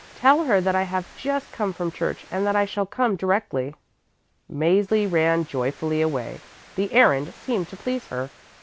Tell her that I have just come from church and that I shall come directly." Mäzli ran joyfully away; the errand seemed to please her.